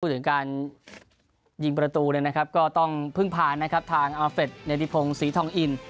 พูดถึงการยิงประตูต้องพึ่งผ่านทางอาเฟรชในที่พงศ์ศรีทองอิน